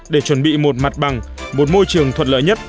để chuẩn bị một mặt bằng một môi trường thuận lợi nhất